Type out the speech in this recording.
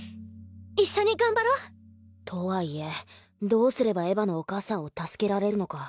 一緒に頑張ろう！とはいえどうすればエヴァのお母さんを助けられるのか。